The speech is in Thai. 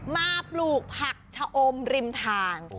ปลูกผักชะอมริมทาง